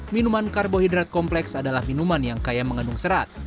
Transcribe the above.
minuman karbohidrat kompleks adalah minuman yang kaya mengandung serat